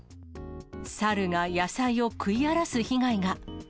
サルが野菜を食い荒らす被害が。